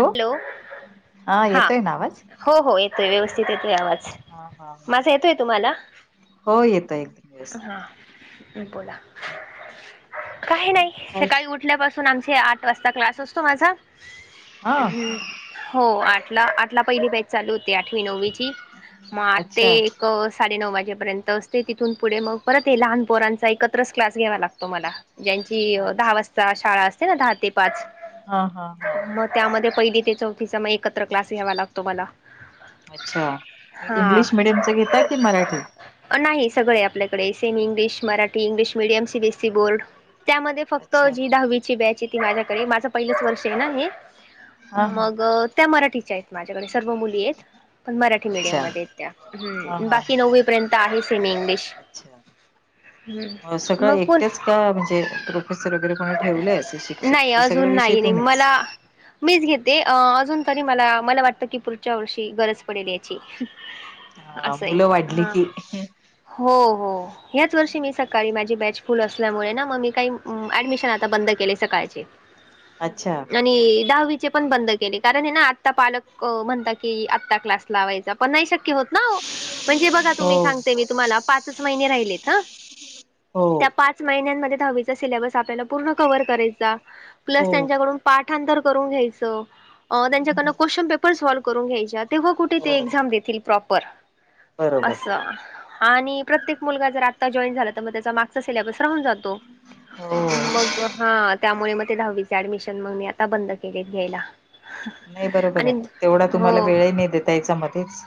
Hello हा येतोय ना आवाज हो हो येतोय व्यवस्थित येतोय आवाज. हा हा हा माझा येतोय तुम्हाला? हो येतोय एकदम व्यवस्थित हा येतोय बोला काही नाही काय सकाळी उठल्यापासून आमचे आठ वाजता क्लास असतो माझा हा हम् हो आठला आठला पहिली बॅच चालू होते आठवी, नववीची मग आठ ते अच्छा एक साडेनऊ वाजेपर्यंत असते तिथून पुढे मग परत आहे लहान पोरांचा एकत्रच क्लास घ्यावा लागतो मला. ज्यांची दहा अच्छा वाजता शाळा असते ना दहा ते पाच हा हा हा मग त्यामध्ये पहिली ते चौथीचा मग एक त्र क्लास घ्यावा लागतो मला अच्छा मग हा इंग्लिश मिडियमच घेता की मराठी नाही सगळे आपल्याकडे semi English, Marathi English medium, CBSE board. त्यामध्ये फक्त अच्छा जी दहावीची बॅच आहे ती माझ्याकडे माझं पहिलंच वर्ष आहे ना हे हा हा मग त्या मराठीच्या आहेत माझ्याकडे सर्व मुली आहेत. पण मराठी मीडियम अच्छा मध्ये त्या हा हा हा बाकी नववी पर्यंत आहे सेमी इंग्लिश. अच्छा हम्म सगळं मग पुन एकटेच का म्हणजे प्रोफेसर वगैरे कोणी ठेवलं नाही शिक्षीण सगळ्या अजून नाही नाही विषयतूनच मला मीच घेते अ अजून तरी मला मला वाटतं की पुढच्या वर्षी गरज पडेल याची. [inaudible] हा, असं आहे मुलं वाढली हा. की. हो हो, याच वर्षी मी सकाळी माझी बॅच फुल असल्यामुळे ना, मग मी काही. ऍडमिशन आता बंद केले सकाळचे. अच्छा. आणि दहावीचे पण बंद केले. कारण हे ना आत्ता पालक म्हणता की आत्ता क्लास, लावायचा पण नाही शक्य होत. नो, म्हणजे बघा तुम्ही हो सांगते. मी तुम्हाला पाच महिनेच राहिलेत. हं... त्या हो पाच महिन्यांमध्ये दहावीचा सिलॅबस आपल्याला पूर्ण कव्हर करायचा. प्लस हो त्यांच्याकडून पाठांतर करून घ्यायचं, त्यांच्याकडून क्वेशन पेपर साॅल करून घ्यायचा. तेव्हा कुठं ते हो एक्झाम देतील प्रोपर बरोबर असं, आणि प्रत्येक मुलगा जर आता जॉईन झाला तर, मग त्यांचा मागचा सिलेबस राहून जातो. हो मग हां, त्यामुळे मग ते दहावीचे ऍडमिशन मगणे. आता बंद केले घ्यायला. नाही बरोबर आणि आहे ना तेवढा हो, तुम्हाला वेळही नाही देता यायचां मध्येचं.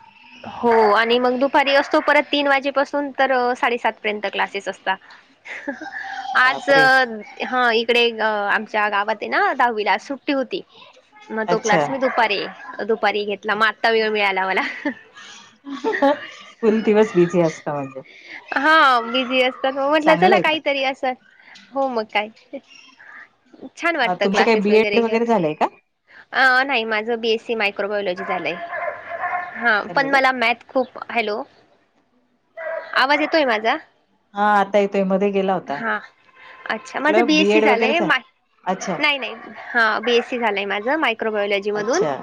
हो, आणि मग दुपारी असतो. परत तीन वाजेपासून तर साडेसात पर्यंत क्लासेस असता. आज बापरे हां इकडे. ज्या गावात आहे ना, दहावी ला सुट्टी होती. मग तो अच्छा क्लास मी दुपारी, दुपारी घेतला मग आत्ता वेळ मिळाला मला. फुल दिवस बिझी असता म्हणजे [unintelligible] हा, बिझी असतात मग म्हटलं, चांगलं चला आहे पण काहीतरी असं. हो मग काय, छान अ, वाटत तुमचं काही क्लासेस बीएड वगैरे घेऊन. झालंय का नाही माझ बीएससी मायक्रोबायोलॉजी झालंय, हं पण हॅलो मला मॅझ खूप हॅलो. आवाज येतोय माझा, हा आता येतोय मध्ये गेला होता हां. अच्छा, माझं म्हटलं बीएससी बीएड वगैरे झालंय, झालं मा अच्छा नाही नाही. हां, बीएससी झालंय माझं मायक्रोबायलॉजी. अच्छा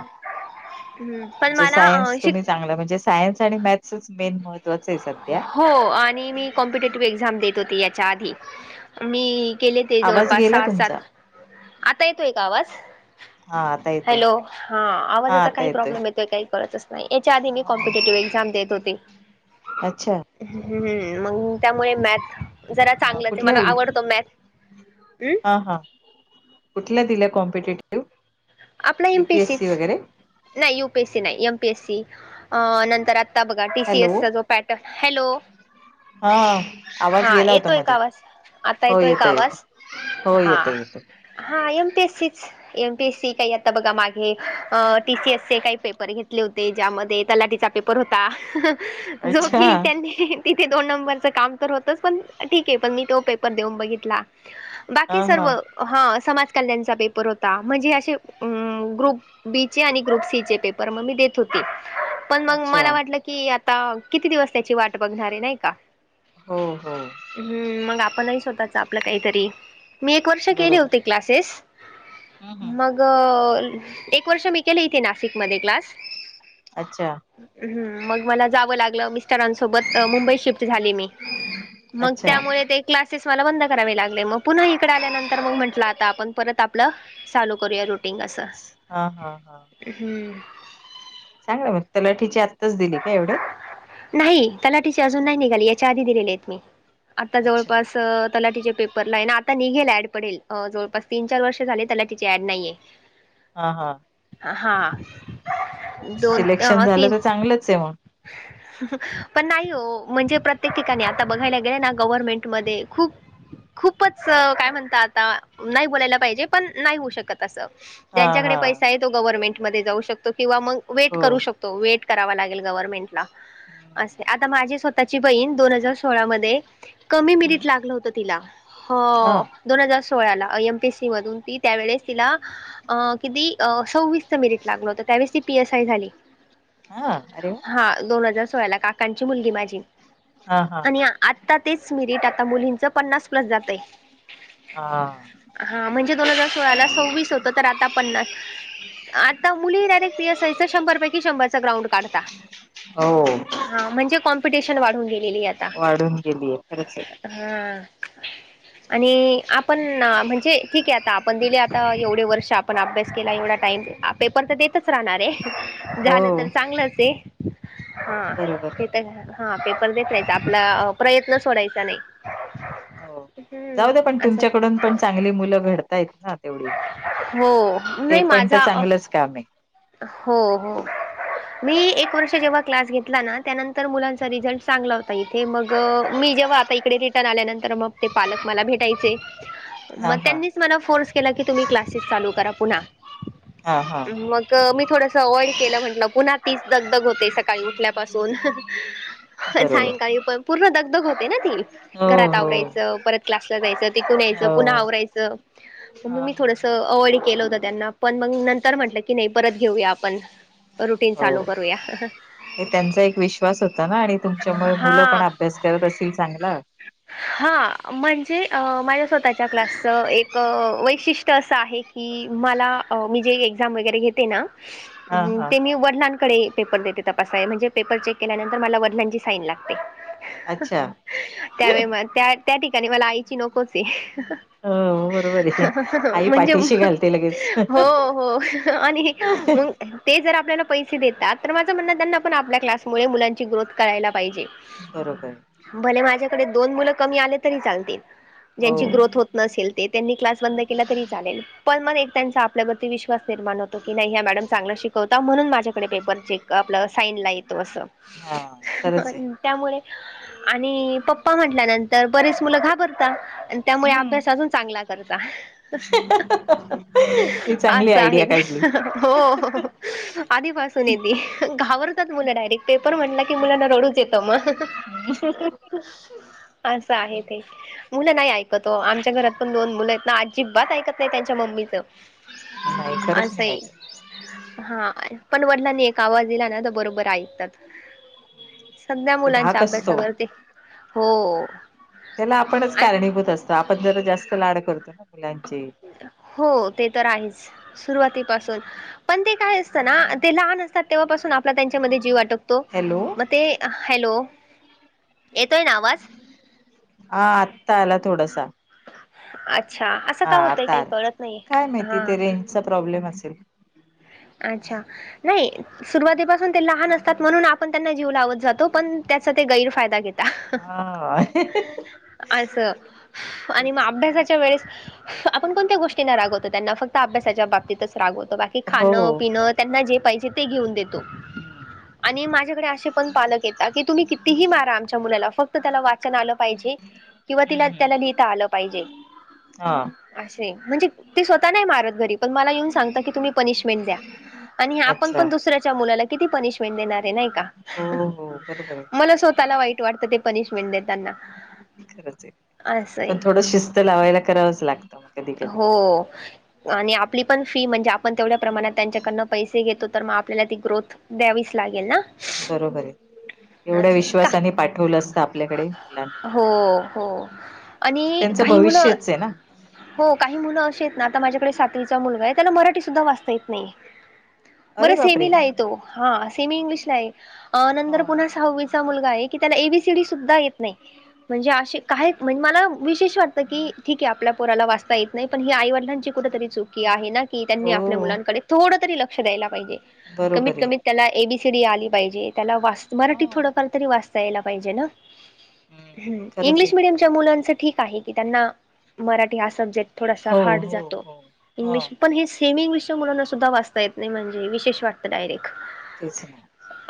[unintelligible] पण म्हणजे मला सायन्स तुम्ही शिक चांगलं म्हणजे सायन्स आणि मॅथ मेन महत्त्वाचं. आहे सध्या हो, आणि मी कॉम्पिटेटिव्ह एक्झाम देत होती. यांच्या आधी, मी केले ते आवाज जवळपास गेला सहा तुमचा सात, आता येतोय का आवाज? हां. हॅलो. हा, आवाजाचा काही प्रॉब्लेम येतोय काही कळतंच नाही. यांच्या आधी मी कॉम्पिटेटिव्ह एक्झाम देत होते. अच्छा, मग त्यामुळे मॅथ, जरा म चांगलंच ये, कुठल्या मला आवडतो मॅथ. कुठलं दिलंय कॉम्पिटेटिव्ह आपला एम पी युपीएस सी सीच वगैरे, नाही यूपीएस सी नाही, एमपीएस सी नंतर आ त बघा, टी सी हॅलो एस चा जो पॅटर्न, हॅलो. हा आवाज हा, गेला होता येतोय का मध्ये आवाज, आता हो येतोय येत का येत आवाज हो हा. येत येत हां. एम पी एस सी चं एम पी एस सी. काही आता बघा माघे, टीसीएसचे काही पेपर घेतले होते, ज्यामध्ये तलाठीचा पेपर होता. जो अच्छा की त्यांनी. तिथे दोन नंबरचं काम तर होतंच, पण ठीक आहे. पण मी तो पेपर देऊन बघितला. हा बाकी हा सर्व हा समाज कल्याणचा पेपर होता. म्हणजे असे, अं.. ग्रुप बी चे आणि ग्रुप सी चे पेपर, मग मी देत होते. पण मग अच्छा मला वाटलं की, आता किती दिवस त्याची वाट बघणार आहे. नाही का? हो हो. हम्म, मग आपणही स्वतःच आपलं काहीतरी मी एक वर्ष केले बरोबर होते क्लासेस, हम्म हम् मग अ एक वर्ष मी केली इथे नाशिकमध्ये क्लास. अच्छा हम्म, मग मला जावं लागलं मिस्टरां सो सोबत मुंबईत शिफ्ट झाले मी, मग अच्छा त्यामुळे ते क्लासेस मला बंद करावे लागले, मग पुन्हा इकडे आल्यानंतर मग म्हटलं आता आपण परत आपलं चालू करूया रु हा हा हा, हम्म चांगलंय म तलाठीची आत्ताच दिली का एवढ्यात? नाही, तलाठीचे अजून नाही निघाली, याच्या आधी दिलेले आहेत मी, आता अच्छा जवळपास तलाठीचे पे पर नाय ना आता निघेल ऍड पडेल, जवळपास तीन चार वर्ष झाले तलाठीची ऍड नाहीये. हा हा हा, दोन सिलेक्शन अ झालं तीन तर चांगलंच आहे मग. [unintelligible] पण नाही हो, म्हणजे प्रत्येक ठिकाणी आता बघायला गेलं ना, गव्हर्नमेंटमध्ये खूप खूपच काय म्हणतात, नाही बोलायला पाहिजे पण, नाही होऊ शकत असं. हा हा ज्यांच्याकडे पैसा आहे तो गव्हर्नमेंट मध्ये जाऊ शकतो, किंवा मग वेट हो करू शकतो वेट करावा लाग गेलं गव्हर्मेंटला असं आहे, आता माझी स्वतःची बहीण दोन हजार सोळा मध्ये कमी हम्म मिरिट लागलं होतं तिला, हो हा दोन हजार सोळा ला, अ एम पी एस सी मधून ती त्यावेळेस तिला अ किती अ सव्वीसच मिरिट लागलं होतं, त्यावेळेस ती पी एस आय झाली. हा, अरे वा. हा दोन हजार सोळा ला, काकांची मुलगी माझी. हा हा आणि आ आता तेच मिरिट आता मुलींचं पन्नास प्लस जातंय. हा हा म्हणजे दोन हजार सोळा ला सव्वीस होतं, तर आता पन्ना आता मुली डायरेक्ट पी एस आयचा शंभर पैकी शंभरचा ग्राउंड काढता. हो हा म्हणजे कॉम्पिटिशन वाढून गेलेली आता, वाढून गेलीय खरंच आहे हा. [unintelligible] आणि आपण म्हणजे ठीक आहे, आता आपण दिले आता एवढे वर्ष आपण अभ्यास केला एवढा टाइम आ पेपर तर देतच राहणार आहे, हो झालं तर चांगलंच आहे, हा. बरोबर हा पेपर देत राहायचा, आपला प्रयत्न सोडायचा नाही. हो, हम्म जाऊ द्या पण असं तुमच्याकडून पण चांगली मुलं घडतायत ना तेवढी. हो, नाही माझा कामय हो हो मी एक वर्ष जेव्हा क्लास घेतला ना, त्यानंतर मुलांचा रिझल्ट चांगला होता इ थे मग अ, मी जेव्हा आता इकडे रिटर्न आल्यानंतर मग ते पालक मला भेटायचे. हा मग हा त्यांनीच मला फोर्स केला की तुम्ही क्लासेस चालू करा पुन्हा, हा हा मग मी थोडसं अवॉइड केलं, म्हटलं पुन्हा तीच दग दग होत ते सकाळी उठल्यापासून, बरोबर सायंकाळी प पूर्ण दगदग होते ना ती. हो घरात हो आवरायचं परत क्लासला जायचं तिकून यायचं पुन्हा हो आवरायचं. म मग हा मी हा थोडसं अवॉइड केलं होत त्यांना, पण मग नंतर म्हंटलं की नाही परत घेऊया आपण. रुटीन हो, चालू करूया ते त्यांचा एक विश्वास होता ना आणि तुमच्यामुळे मुलं पण हा अभ्यास करत असतील चांगला. हा, म्हणजे अ माझ्या स्वतःच्या क्लासचं एक वैशिष्ट्य असं आहे कि मला, मी जे एक्झाम वगैरे घेते ना, हा हा ते मी वडिलांकडे पेपर देते तपासाय, म्हणजे पेपर चेक केल्यानंतर मला वडलांची साईन लागते. अच्छा त्यावेळी मला त्या त्या ठिकाणी मला आईची नकोचे ए हो बरोबर [inaudible] आहे आई म्हणजे पाठीशी मं घालते लगेच [inaudible] हो हो आणि मंग ते जर आपल्याला पैसे देतात तर माझं म्हणणं त्यांना पण आपल्या क्लासमुळे मुलांची ग्रोथ करायला पाहिजे बरोबर भले माझ्यमदोन मुलं कमी आले तरी चालतील हो ज्यांची ग्रोथ होत नसेल ते त्यांनी क्लास बंद केला तरी चालेल पण मग एक त्यांचा आपल्यावरती विश्वास निर्माण होतो की नाही ह्या मॅडम चांगला शिकवता म्हणून माझ्याकडे पेपर चेक आपलं साईन येतो असं हा खरंच आहे त्यामुळे आणि प पप्पा म्हटल्यानंतर बरेच मुलं घाबरताात आणि त्यामुळे हम्म अभ्यास अजून चांगला करतात ही [inaudible] चांगली असं आहे आयडिया काढली हो आधीपासून येते घाबरतात मुलं डायरेक्ट पेपर म्हटलं की मुलांना रडूच येतो म [inaudible] अस खुस [inaudible] असं आहे ते मुलं नाही ऐकतो वो आमच्या घरात पण दोन मुलं आहेत ना अजिबात ऐकत नाही त्यांच्या मम्मीचं नाही खरंच आसं नाही आये. ऐकत हां, पण वडलानी एक आवाज दिला ना त बरोबर ऐकातात सध्या मुलांच्या धाक असतो अभ्यासावरती हो त्याला आपणच कारणीभूत असतो आपण जरा जास्त लाड करतो ना मुलांचे हो ते तर आहेच सुरुवातीपासून पण ते काय असतं ना ते लहान असतात तेव्हापासून आपला त्यांच्यामध्ये जीव वाटकतो हॅलो मग ते हॅलो येतोय ना आवाज? हा आत्ता आला थोडासा अच्छा असं का हा होतंय आता काही आला कळत नाहीय. काय माहिती हा ते रेंजचा प्रॉब्लेम असेल- अच्छा नाही सुरुवातीपासून ते लहान असतात म्हणून आपण त्यांना जीव लावत जातो पण त्याचा ते गैरफायदा घेता हा [inaudible] असं आणि मग तेच अभ्यासाच्या वेळेस आपण कोणत्या गोष्टींना रागवतो त्यांना फक्त अभ्यासाच्या बाबतीतच रागवतो ते हो खाणं हो पिणं त्यांना जे पाहिजे ते घेऊन देतो हम्म आणि माझ्याकडे अशे पण पालक येता की तुम्ही कितीही मारा आमच्या मुलाला फक्त त्याला वाचन आलं पाहिजे किंवा तिला त्याला हम्म लिहिता आलं पाहिजे हा असय म्हणजे ते स्वत नाही मारत घरी पण मला येऊन सांगता की तुम्ही पनिशमेंट द्या आणि आपण अच्छा पण दुसऱ्याच्या मुलाला किती पनिशमेंट देणारे नाही का? हो हो बरोबर आहे मला स्वतःला वाईट वाटतं ते पनिशमेंट देताना खरचय असंय पण थोडं स्त लावायला करावंच लागतं मग कधी कधी हो आणि आपली पण फी म्हणजे आपण तेवढ्या प्रमाणात त्यांच्याकडनं पैसे घेतो तर मग आपल्याला ती ग्रोथ द्यावीच लागेल ना? बरोबरय एवढ्या असं आहे का विश्वासाने पाठवलं असतं आपल्याकडे हो हो मुलांना आणि त्यांचं काही मुलं भविष्यचय ना हो काही मुलं अशी आहेत ना आता माझ्याकडे सातवीचा मुलगा आहे त्याला मराठी सुद्धा वाचता येत नाहीय अरे बरं बापरे सेमीलाय तो हा सेमी इंग्लिशलाय नंतर हा. पुन्हा सहावीचा मुलगाय की त्याला एबीसीडी सुद्धा येत नाही म्हणजे असे काय म्हणजे मला विशेष वाटतं की ठीकय आपल्या पोराला वाचता येत नाही पण हे आई वड लांची कुठेतरी चुकीय की त्यांनी आपल्या हो मुलांकडे थोड तरी लक्ष द्यायला पाहिजे कमीत बरोबर आहे कमी त्याला ए बी सी डी आली पाहिजे त्याला वाच मराठीत हा. थोडंफार तरी वाचता यायला पाहिजे ना. हम्म खरंच इंग्लिश आहे मिडियमच्या मुलांचं ठीक आहे की त्यांना मराठी हा सब्जेक्ट थोडासा हो हार्ड हो जातो. हो हो इंग्लिश पण हे सेम इंग्लिशच्या मुलांना सुद्धा वाचता येत नाही म्हणजे विशेष वाटत. डायरेक् तेच ना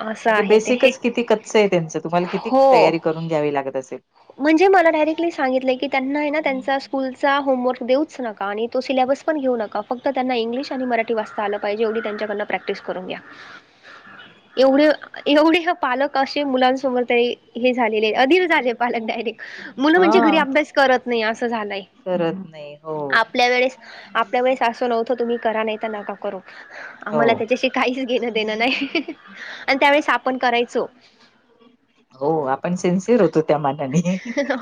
असं म्हणजे आहे ते. बेसिकच किती कच्च आहे त्यांचं तुम्हाला किती हो तयारी करून घ्यावी लागत असेल. म्हणजे मला डायरेक्टली सांगितलंय की त्यांना ना त्यांचा स्कूलचा होमवर्क देऊच नका आणि तो सिलेबस पण येऊ नका फक्त त्यांना इंग्लिश आणि मराठी वाचता आल पाहिजे एवढी त्यांच्याकड प्रॅक्टिस करून घ्या. अरे एवढे एवढे हे पालक अशे मुलांन समोर हे झालेले अधिक. डायरेक मुल म्हणजे घरी हा अभ्यास करत नाही अस झालय करत नाही हो आप ल्या वेळेस आपल्या वेळेस असं नव्हतं तुम्ही करा नाही तर नका करू. हो आम्हाला त्याच्याशी काहीच घेणं देणं नाही आणि त्यावेळेस आपण करायचो. हो आपण सेनसिअर होतो. त्या मनानी.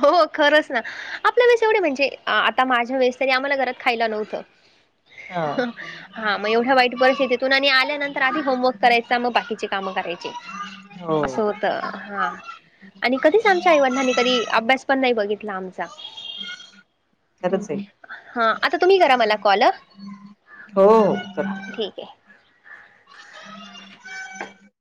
हो खरंच ना. आपल्या वेळेस एवढे म्हणजे आता माझ्या वेळेस तरी आम्हाला घरात खायला नव्हतं. हा, हा मग एवढ्या वाईट परिस्थितीतून आणि आल्यानंतर आधी होमवर्क करायचा मग बाकीची काम करायची. हो असं होत हा आणि कधीच आमच्या आई वडलांनी कधी अभ्यास पण नाही बघितला आमचा. खरंच आहे हा आता तुम्ही करा मला कॉल. हो तर ठीक आहे. [unintelligible]